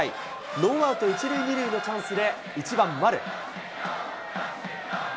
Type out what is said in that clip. ノーアウト１塁２塁のチャンスで１番丸。